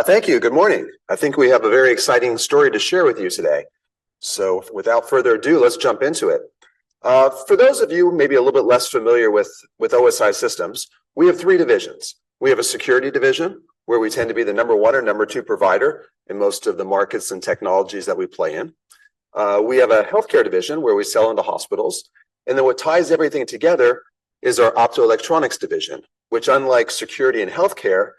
Thank you. Good morning. I think we have a very exciting story to share with you today. So without further ado, let's jump into it. For those of you maybe a little bit less familiar with OSI Systems, we have three divisions. We have a Security division, where we tend to be the number 1 or number 2 provider in most of the markets and technologies that we play in. We have a Healthcare division, where we sell into hospitals. And then what ties everything together is our Optoelectronics division, which, unlike security and healthcare,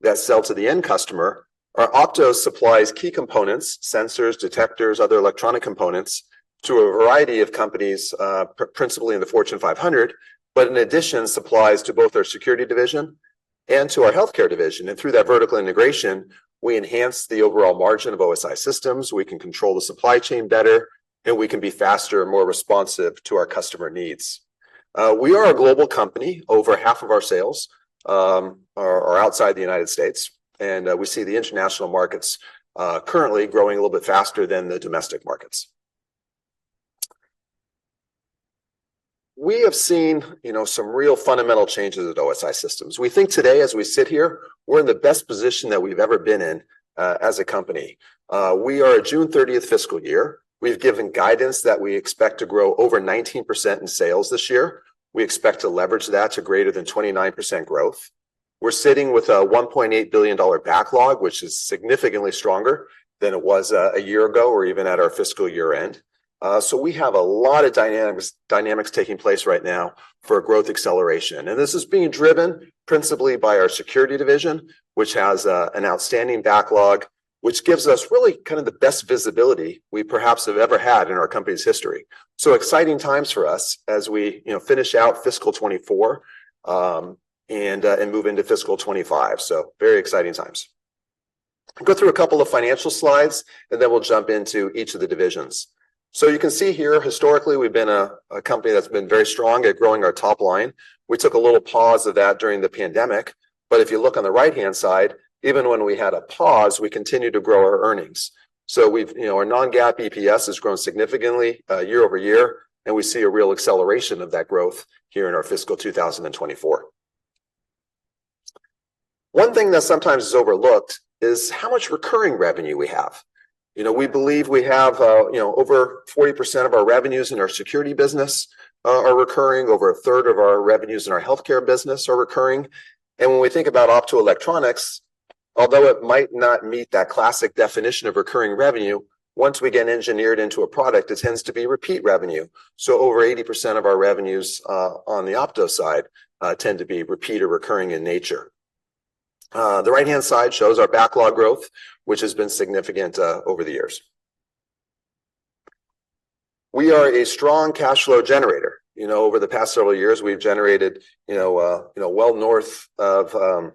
that sell to the end customer, our Opto supplies key components: sensors, detectors, other electronic components to a variety of companies, principally in the Fortune 500, but in addition supplies to both our Security division and to our Healthcare division. And through that vertical integration, we enhance the overall margin of OSI Systems. We can control the supply chain better, and we can be faster and more responsive to our customer needs. We are a global company. Over half of our sales are outside the United States. We see the international markets currently growing a little bit faster than the domestic markets. We have seen some real fundamental changes at OSI Systems. We think today, as we sit here, we're in the best position that we've ever been in as a company. We are at June 30th fiscal year. We've given guidance that we expect to grow over 19% in sales this year. We expect to leverage that to greater than 29% growth. We're sitting with a $1.8 billion backlog, which is significantly stronger than it was a year ago or even at our fiscal year-end. We have a lot of dynamics taking place right now for growth acceleration. This is being driven principally by our Security division, which has an outstanding backlog, which gives us really kind of the best visibility we perhaps have ever had in our company's history. Exciting times for us as we finish out fiscal 2024 and move into fiscal 2025. Very exciting times. Go through a couple of financial slides, and then we'll jump into each of the divisions. You can see here, historically, we've been a company that's been very strong at growing our top line. We took a little pause of that during the pandemic. But if you look on the right-hand side, even when we had a pause, we continued to grow our earnings. Our non-GAAP EPS has grown significantly year-over-year. We see a real acceleration of that growth here in our fiscal 2024. One thing that sometimes is overlooked is how much recurring revenue we have. We believe we have over 40% of our revenues in our Security business are recurring, over a third of our revenues in our Healthcare business are recurring. And when we think about Optoelectronics, although it might not meet that classic definition of recurring revenue, once we get engineered into a product, it tends to be repeat revenue. So over 80% of our revenues on the Opto side tend to be repeat or recurring in nature. The right-hand side shows our backlog growth, which has been significant over the years. We are a strong cash flow generator. Over the past several years, we've generated well north of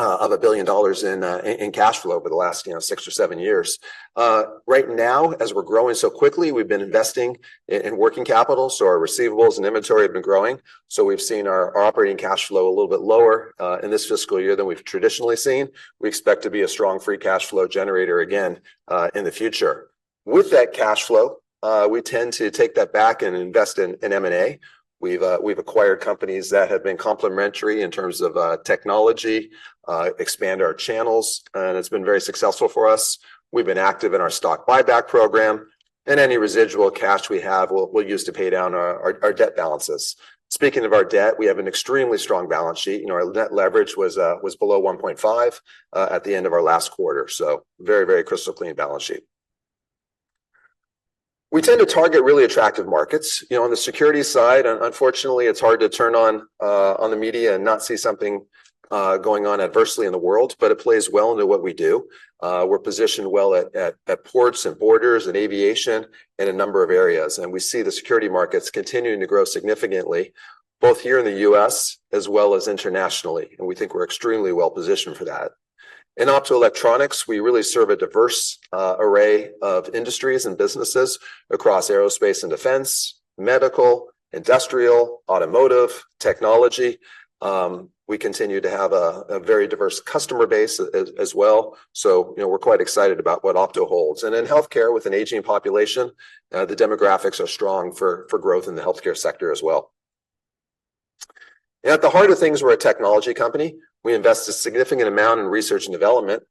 $1 billion in cash flow over the last six or seven years. Right now, as we're growing so quickly, we've been investing in working capital. So our receivables and inventory have been growing. So we've seen our operating cash flow a little bit lower in this fiscal year than we've traditionally seen. We expect to be a strong free cash flow generator again in the future. With that cash flow, we tend to take that back and invest in M&A. We've acquired companies that have been complementary in terms of technology, expand our channels, and it's been very successful for us. We've been active in our stock buyback program. And any residual cash we have, we'll use to pay down our debt balances. Speaking of our debt, we have an extremely strong balance sheet. Our net leverage was below 1.5 at the end of our last quarter. So very, very crystal clean balance sheet. We tend to target really attractive markets. On the security side, unfortunately, it's hard to turn on the media and not see something going on adversely in the world. But it plays well into what we do. We're positioned well at ports and borders and aviation in a number of areas. We see the security markets continuing to grow significantly, both here in the U.S. as well as internationally. We think we're extremely well positioned for that. In Optoelectronics, we really serve a diverse array of industries and businesses across aerospace and defense, medical, industrial, automotive, technology. We continue to have a very diverse customer base as well. We're quite excited about what Opto holds. In healthcare, with an aging population, the demographics are strong for growth in the healthcare sector as well. At the heart of things, we're a technology company. We invest a significant amount in research and development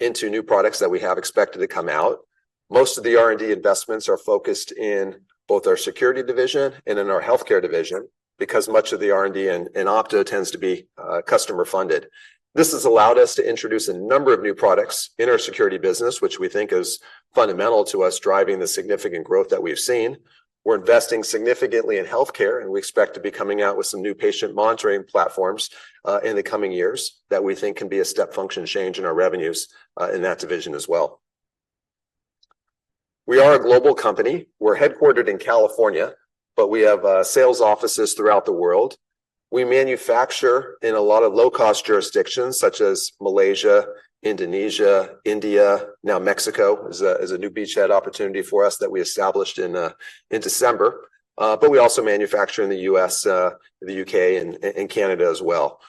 into new products that we have expected to come out. Most of the R&D investments are focused in both our Security division and in our Healthcare division because much of the R&D in Opto tends to be customer-funded. This has allowed us to introduce a number of new products in our security business, which we think is fundamental to us driving the significant growth that we've seen. We're investing significantly in healthcare. We expect to be coming out with some new patient monitoring platforms in the coming years that we think can be a step function change in our revenues in that division as well. We are a global company. We're headquartered in California, but we have sales offices throughout the world. We manufacture in a lot of low-cost jurisdictions, such as Malaysia, Indonesia, India. Now Mexico is a new beachhead opportunity for us that we established in December. But we also manufacture in the U.S., the U.K., and Canada as well.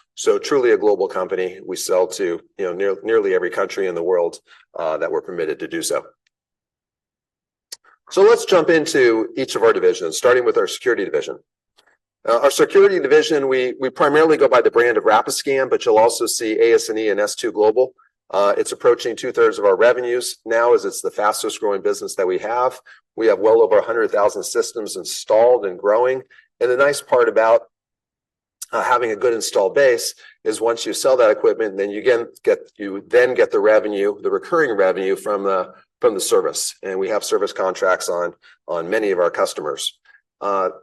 Truly a global company. We sell to nearly every country in the world that we're permitted to do so. Let's jump into each of our divisions, starting with our Security division. Our Security division, we primarily go by the brand of Rapiscan, but you'll also see AS&E and S2 Global. It's approaching two-thirds of our revenues now as it's the fastest-growing business that we have. We have well over 100,000 systems installed and growing. And the nice part about having a good installed base is once you sell that equipment, then you then get the revenue, the recurring revenue, from the service. We have service contracts on many of our customers.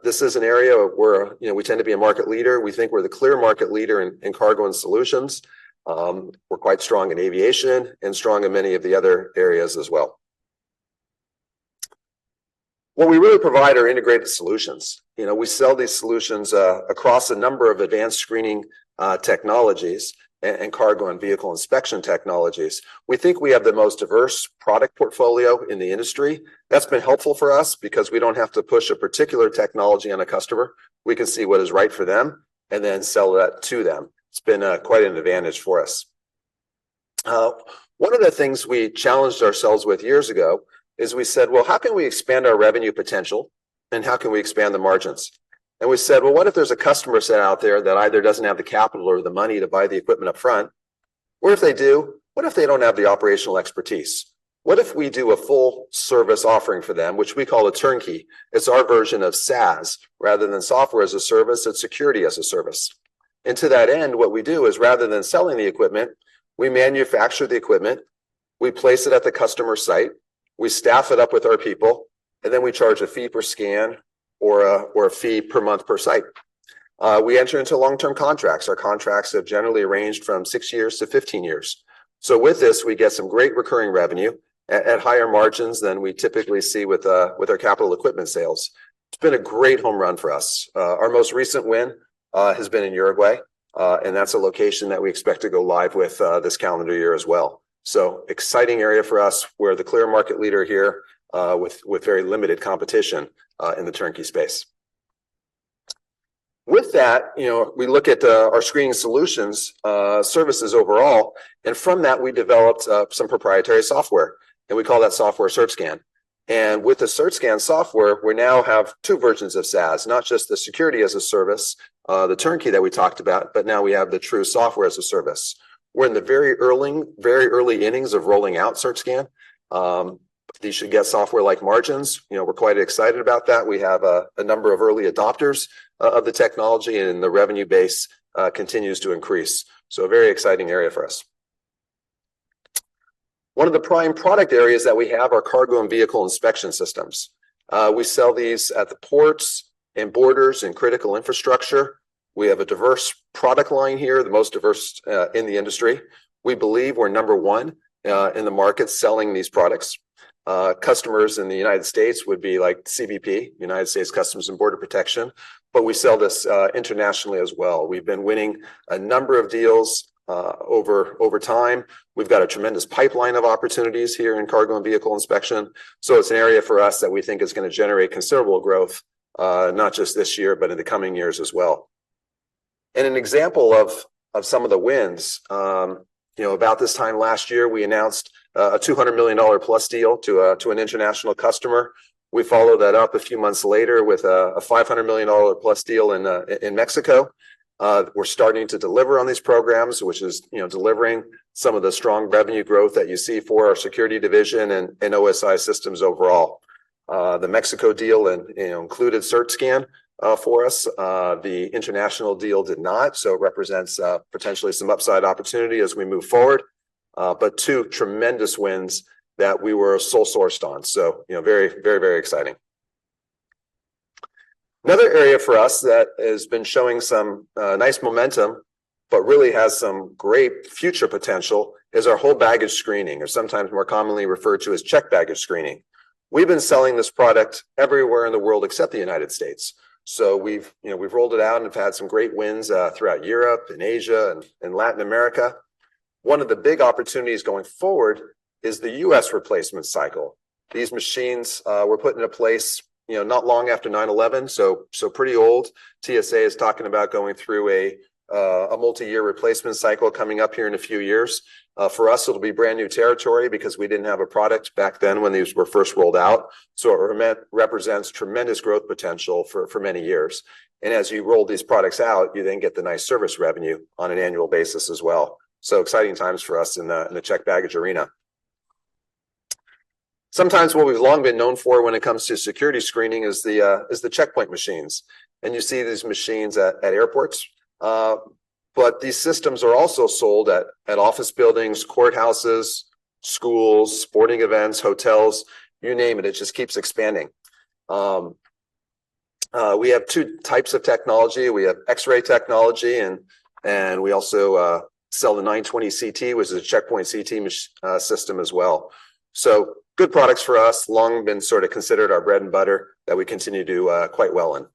This is an area where we tend to be a market leader. We think we're the clear market leader in cargo and solutions. We're quite strong in aviation and strong in many of the other areas as well. What we really provide are integrated solutions. We sell these solutions across a number of advanced screening technologies and cargo and vehicle inspection technologies. We think we have the most diverse product portfolio in the industry. That's been helpful for us because we don't have to push a particular technology on a customer. We can see what is right for them and then sell that to them. It's been quite an advantage for us. One of the things we challenged ourselves with years ago is we said, "Well, how can we expand our revenue potential, and how can we expand the margins?" And we said, "Well, what if there's a customer set out there that either doesn't have the capital or the money to buy the equipment up front? Or if they do, what if they don't have the operational expertise? What if we do a full-service offering for them, which we call a turnkey?" It's our version of SaaS rather than software as a service and security as a service. And to that end, what we do is, rather than selling the equipment, we manufacture the equipment. We place it at the customer site. We staff it up with our people. And then we charge a fee per scan or a fee per month per site. We enter into long-term contracts. Our contracts have generally ranged from 6 years to 15 years. With this, we get some great recurring revenue at higher margins than we typically see with our capital equipment sales. It's been a great home run for us. Our most recent win has been in Uruguay. That's a location that we expect to go live with this calendar year as well. Exciting area for us. We're the clear market leader here with very limited competition in the turnkey space. With that, we look at our screening solutions, services overall. From that, we developed some proprietary software. We call that software CertScan. With the CertScan software, we now have two versions of SaaS, not just the security as a service, the turnkey that we talked about, but now we have the true software as a service. We're in the very early innings of rolling out CertScan. These should get software-like margins. We're quite excited about that. We have a number of early adopters of the technology, and the revenue base continues to increase. A very exciting area for us. One of the prime product areas that we have are Cargo and Vehicle Inspection Systems. We sell these at the ports and borders and critical infrastructure. We have a diverse product line here, the most diverse in the industry. We believe we're number one in the market selling these products. Customers in the United States would be like CBP, U.S. Customs and Border Protection. But we sell this internationally as well. We've been winning a number of deals over time. We've got a tremendous pipeline of opportunities here in Cargo and Vehicle Inspection Systems. So it's an area for us that we think is going to generate considerable growth, not just this year, but in the coming years as well. And an example of some of the wins, about this time last year, we announced a $200+ million deal to an international customer. We followed that up a few months later with a $500+ million deal in Mexico. We're starting to deliver on these programs, which is delivering some of the strong revenue growth that you see for our security division and OSI Systems overall. The Mexico deal included CertScan for us. The international deal did not. So it represents potentially some upside opportunity as we move forward. But two tremendous wins that we were sole-sourced on. So very, very, very exciting. Another area for us that has been showing some nice momentum but really has some great future potential is our whole baggage screening, or sometimes more commonly referred to as checked baggage screening. We've been selling this product everywhere in the world except the United States. So we've rolled it out and have had some great wins throughout Europe, in Asia, and Latin America. One of the big opportunities going forward is the U.S. replacement cycle. These machines were put into place not long after 9/11, so pretty old. TSA is talking about going through a multi-year replacement cycle coming up here in a few years. For us, it'll be brand new territory because we didn't have a product back then when these were first rolled out. So it represents tremendous growth potential for many years. As you roll these products out, you then get the nice service revenue on an annual basis as well. Exciting times for us in the checked baggage arena. Sometimes what we've long been known for when it comes to security screening is the checkpoint machines. You see these machines at airports. These systems are also sold at office buildings, courthouses, schools, sporting events, hotels, you name it. It just keeps expanding. We have two types of technology. We have X-ray technology. We also sell the 920CT, which is a checkpoint CT system as well. Good products for us, long been sort of considered our bread and butter that we continue to do quite well in.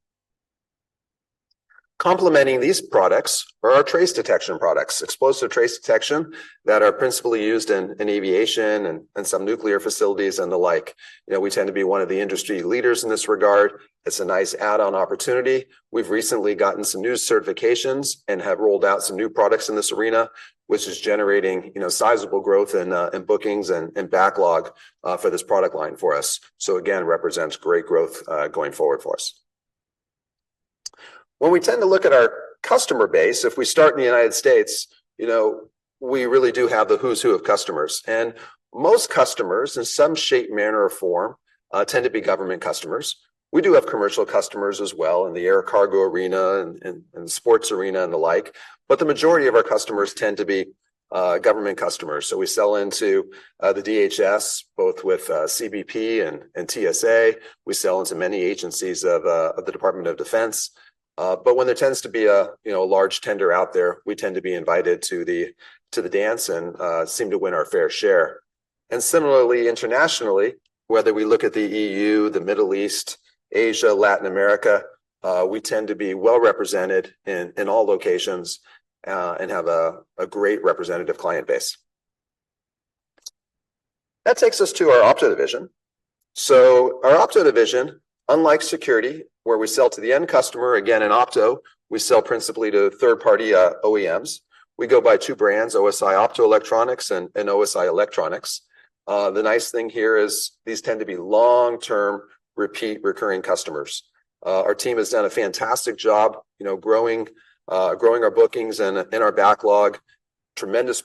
Complementing these products are our trace detection products, explosive trace detection that are principally used in aviation and some nuclear facilities and the like. We tend to be one of the industry leaders in this regard. It's a nice add-on opportunity. We've recently gotten some new certifications and have rolled out some new products in this arena, which is generating sizable growth in bookings and backlog for this product line for us. So again, represents great growth going forward for us. When we tend to look at our customer base, if we start in the United States, we really do have the who's who of customers. Most customers in some shape, manner, or form tend to be government customers. We do have commercial customers as well in the air cargo arena and the sports arena and the like. The majority of our customers tend to be government customers. We sell into the DHS, both with CBP and TSA. We sell into many agencies of the Department of Defense. But when there tends to be a large tender out there, we tend to be invited to the dance and seem to win our fair share. And similarly, internationally, whether we look at the EU, the Middle East, Asia, Latin America, we tend to be well represented in all locations and have a great representative client base. That takes us to our Opto division. So our Opto division, unlike security, where we sell to the end customer, again, in Opto, we sell principally to third-party OEMs. We go by two brands, OSI Optoelectronics and OSI Electronics. The nice thing here is these tend to be long-term, repeat, recurring customers. Our team has done a fantastic job growing our bookings and our backlog, tremendous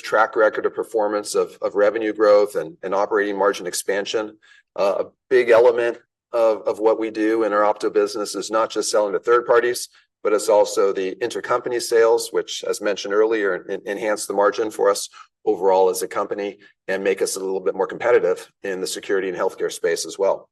track record of performance of revenue growth and operating margin expansion. A big element of what we do in our Opto business is not just selling to third parties, but it's also the intercompany sales, which, as mentioned earlier, enhance the margin for us overall as a company and make us a little bit more competitive in the security and healthcare space as well.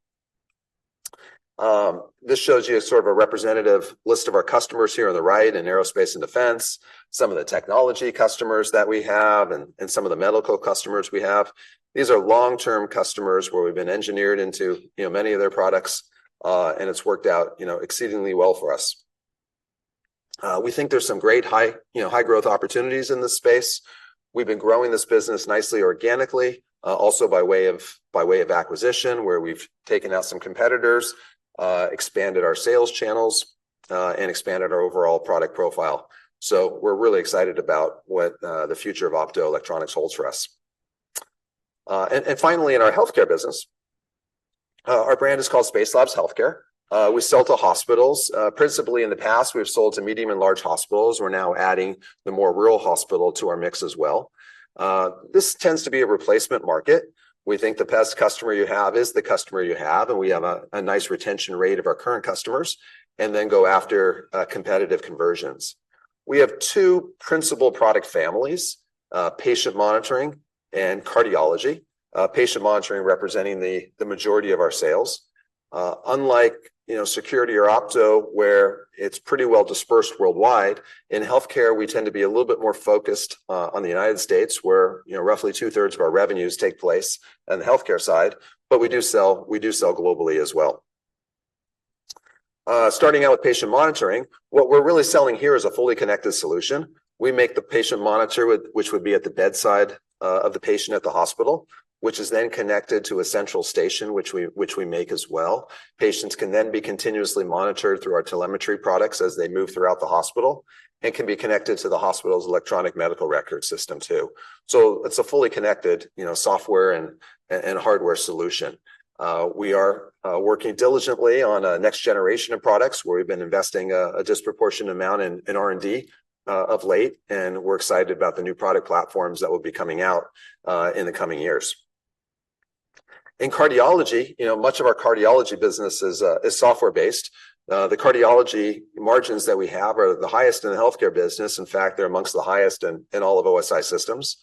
This shows you sort of a representative list of our customers here on the right in aerospace and defense, some of the technology customers that we have, and some of the medical customers we have. These are long-term customers where we've been engineered into many of their products. It's worked out exceedingly well for us. We think there's some great high-growth opportunities in this space. We've been growing this business nicely organically, also by way of acquisition, where we've taken out some competitors, expanded our sales channels, and expanded our overall product profile. We're really excited about what the future of Optoelectronics holds for us. Finally, in our Healthcare business, our brand is called Spacelabs Healthcare. We sell to hospitals. Principally in the past, we've sold to medium and large hospitals. We're now adding the more rural hospital to our mix as well. This tends to be a replacement market. We think the best customer you have is the customer you have. We have a nice retention rate of our current customers and then go after competitive conversions. We have two principal product families, patient monitoring and cardiology, patient monitoring representing the majority of our sales. Unlike security or Opto, where it's pretty well dispersed worldwide, in healthcare, we tend to be a little bit more focused on the United States, where roughly two-thirds of our revenues take place on the healthcare side. But we do sell globally as well. Starting out with patient monitoring, what we're really selling here is a fully connected solution. We make the patient monitor, which would be at the bedside of the patient at the hospital, which is then connected to a central station, which we make as well. Patients can then be continuously monitored through our telemetry products as they move throughout the hospital and can be connected to the hospital's electronic medical record system too. So it's a fully connected software and hardware solution. We are working diligently on a next generation of products where we've been investing a disproportionate amount in R&D of late. And we're excited about the new product platforms that will be coming out in the coming years. In cardiology, much of our Cardiology business is software-based. The cardiology margins that we have are the highest in the Healthcare business. In fact, they're among the highest in all of OSI Systems.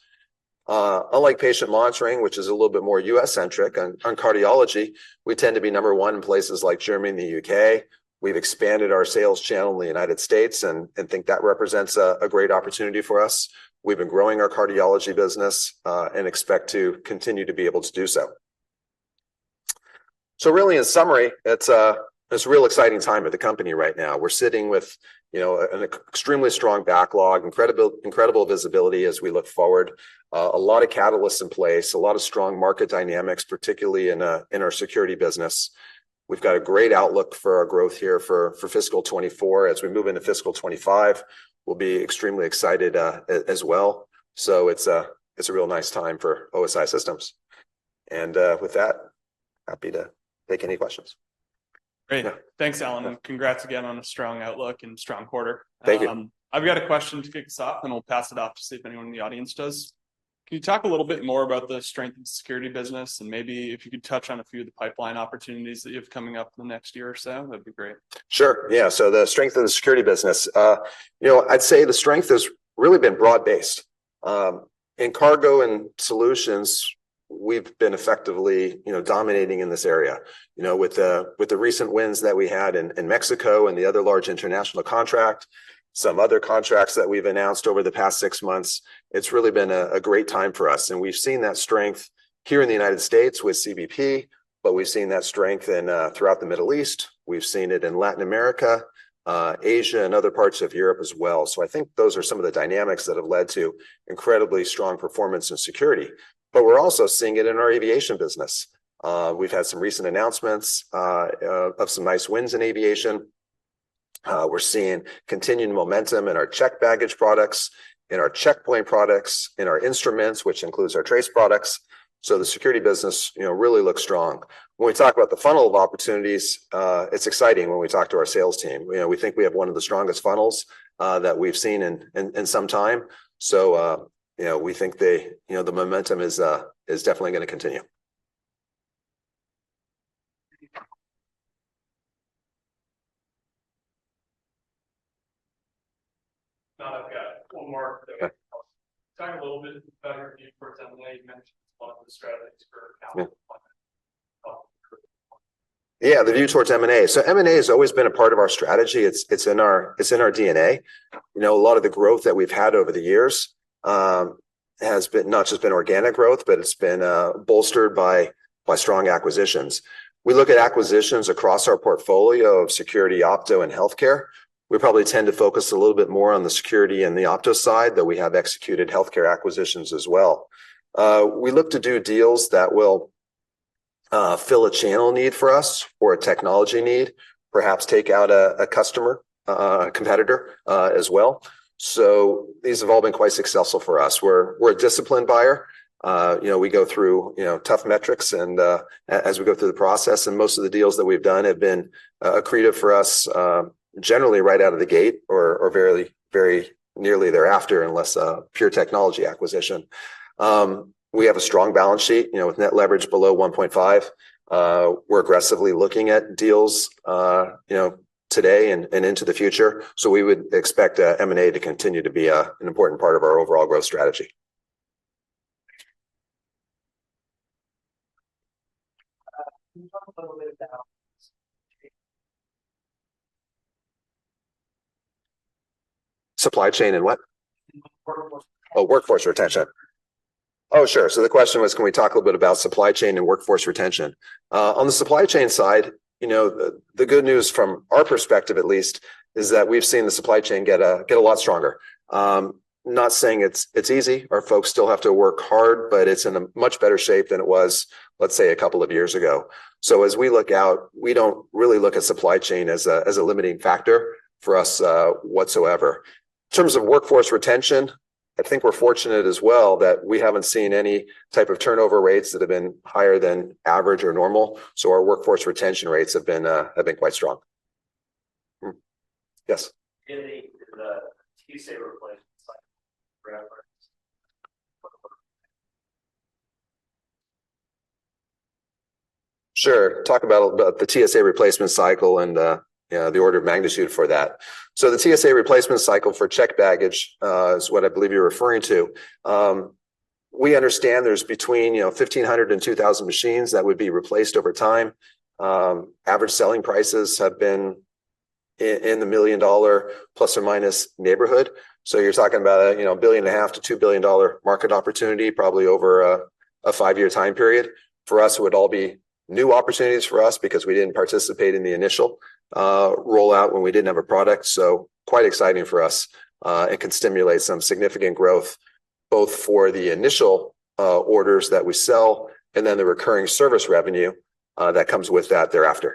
Unlike patient monitoring, which is a little bit more U.S.-centric, on cardiology, we tend to be number one in places like Germany, the U.K. We've expanded our sales channel in the United States and think that represents a great opportunity for us. We've been growing our Cardiology business and expect to continue to be able to do so. So really, in summary, it's a real exciting time at the company right now. We're sitting with an extremely strong backlog, incredible visibility as we look forward, a lot of catalysts in place, a lot of strong market dynamics, particularly in our Security business. We've got a great outlook for our growth here for fiscal 2024. As we move into fiscal 2025, we'll be extremely excited as well. So it's a real nice time for OSI Systems. And with that, happy to take any questions. Great. Thanks, Alan. Congrats again on a strong outlook and strong quarter. Thank you. I've got a question to kick us off, and we'll pass it off to see if anyone in the audience does. Can you talk a little bit more about the strength of the Security business and maybe if you could touch on a few of the pipeline opportunities that you have coming up in the next year or so? That'd be great. Sure. Yeah. So the strength of the Security business, I'd say the strength has really been broad-based. In cargo and solutions, we've been effectively dominating in this area. With the recent wins that we had in Mexico and the other large international contract, some other contracts that we've announced over the past six months, it's really been a great time for us. And we've seen that strength here in the United States with CBP. But we've seen that strength throughout the Middle East. We've seen it in Latin America, Asia, and other parts of Europe as well. So I think those are some of the dynamics that have led to incredibly strong performance in security. But we're also seeing it in our Aviation business. We've had some recent announcements of some nice wins in aviation. We're seeing continued momentum in our checked baggage products, in our checkpoint products, in our instruments, which includes our trace products. So the Security business really looks strong. When we talk about the funnel of opportunities, it's exciting when we talk to our sales team. We think we have one of the strongest funnels that we've seen in some time. So we think the momentum is definitely going to continue. John, I've got one more thing. Talk a little bit about your view towards M&A. You mentioned it's one of the strategies for capital deployment. Yeah. The view towards M&A. So M&A has always been a part of our strategy. It's in our DNA. A lot of the growth that we've had over the years has not just been organic growth, but it's been bolstered by strong acquisitions. We look at acquisitions across our portfolio of security, Opto, and healthcare. We probably tend to focus a little bit more on the security and the Opto side, though we have executed healthcare acquisitions as well. We look to do deals that will fill a channel need for us or a technology need, perhaps take out a customer, a competitor as well. So these have all been quite successful for us. We're a disciplined buyer. We go through tough metrics as we go through the process. Most of the deals that we've done have been accretive for us generally right out of the gate or very nearly thereafter unless a pure technology acquisition. We have a strong balance sheet with Net Leverage below 1.5. We're aggressively looking at deals today and into the future. We would expect M&A to continue to be an important part of our overall growth strategy. Can you talk a little bit about? Supply chain and what? Workforce. Oh, workforce retention. Oh, sure. So the question was, can we talk a little bit about supply chain and workforce retention? On the supply chain side, the good news from our perspective, at least, is that we've seen the supply chain get a lot stronger. Not saying it's easy. Our folks still have to work hard, but it's in a much better shape than it was, let's say, a couple of years ago. So as we look out, we don't really look at supply chain as a limiting factor for us whatsoever. In terms of workforce retention, I think we're fortunate as well that we haven't seen any type of turnover rates that have been higher than average or normal. So our workforce retention rates have been quite strong. Yes. In the TSA replacement cycle, for reference. Sure. Talk about the TSA replacement cycle and the order of magnitude for that. So the TSA replacement cycle for checked baggage is what I believe you're referring to. We understand there's between 1,500-2,000 machines that would be replaced over time. Average selling prices have been in the million-dollar plus or minus neighborhood. So you're talking about a $1.5 billion-$2 billion market opportunity, probably over a 5-year time period. For us, it would all be new opportunities for us because we didn't participate in the initial rollout when we didn't have a product. So quite exciting for us. It can stimulate some significant growth both for the initial orders that we sell and then the recurring service revenue that comes with that thereafter.